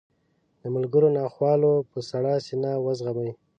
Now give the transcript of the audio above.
د ملګرو ناخوالې په سړه سینه وزغمي.